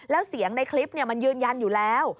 แล้วเสียงในคลิปมันยืนยันอยู่แล้ว